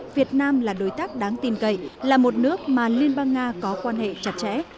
việt nam là đối tác đáng tin cậy là một nước mà liên bang nga có quan hệ chặt chẽ